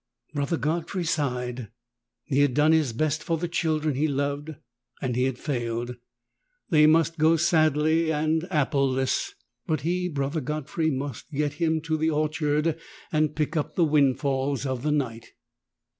Brother Godfrey sighed. He had done his best for the children he loved, and he had failed. They must go sadly and appleless. But he. Brother Godfrey, must get him to the orchard and pick up the windfalls of the night.